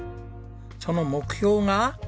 その目標が。